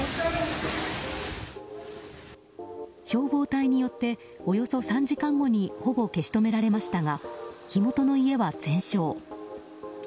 消防隊によっておよそ３時間後にほぼ消し止められましたが火元の家は全焼。